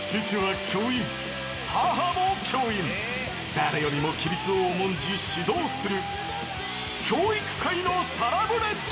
［誰よりも規律を重んじ指導する］